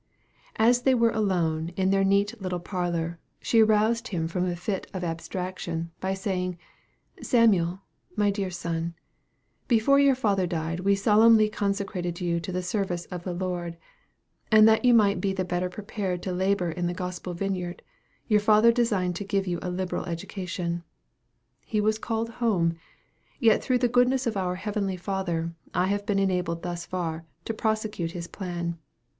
As they were alone in their neat little parlor, she aroused him from a fit of abstraction, by saying, "Samuel, my dear son, before your father died we solemnly consecrated you to the service of the Lord; and that you might be the better prepared to labor in the gospel vineyard, your father designed to give you a liberal education. He was called home; yet through the goodness of our Heavenly Father, I have been enabled thus far to prosecute his plan.